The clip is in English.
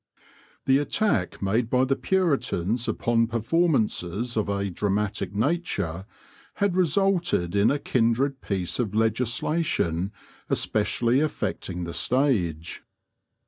The attack made by the Puritans upon performances of a dramatic nature had resulted in a kindred piece of legislation especially affecting the stage.